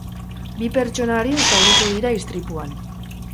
Bi pertsona arin zauritu dira istripuan.